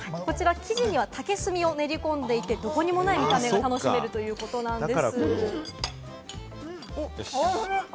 生地には竹炭を練り込んでいて、どこにもない見た目を楽しめるということです。